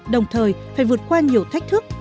đồng thời phải vượt qua nhiều thách thức